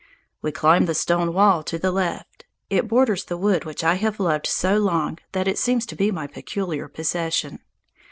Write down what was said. We climbed the stone wall to the left. It borders the wood which I have loved so long that it seems to be my peculiar possession.